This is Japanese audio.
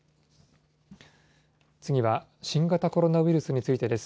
次は新型コロナウイルスについてです。